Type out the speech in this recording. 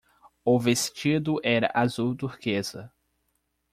O vestido era azul turquesa.